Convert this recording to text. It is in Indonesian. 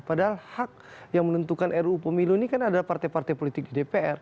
padahal hak yang menentukan ruu pemilu ini kan adalah partai partai politik di dpr